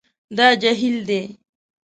دا جهیل دی